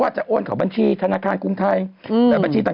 ว่าจะโอนข่าวบัญชีธนาคารกรุงไทย